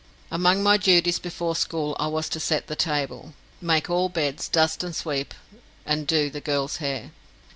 Among my duties before school I was to set the table, make all the beds, dust and sweep, and "do" the girls' hair.